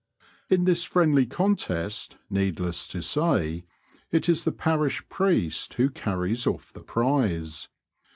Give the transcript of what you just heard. In this friendly contest, needless to say, it is the parish priest who carries off the prize.